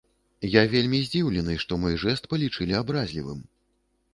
Я вельмі здзіўлены, што мой жэст палічылі абразлівым.